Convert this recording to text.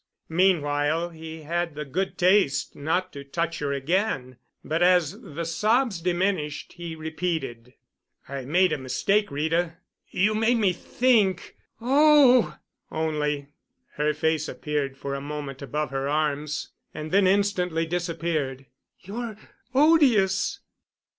Meanwhile he had the good taste not to touch her again. But as the sobs diminished he repeated: "I made a mistake, Rita. You made me think——" "Oh!" only. Her face appeared for a moment above her arms and then instantly disappeared. "You're odious!"